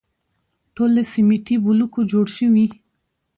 ټول له سیمټي بلوکو جوړ شوي.